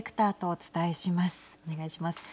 お願いします。